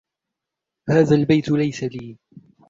هذا البيت ليس لي.